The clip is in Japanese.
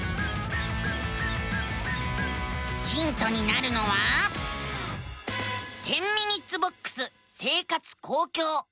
ヒントになるのは「１０ｍｉｎ．ボックス生活・公共」。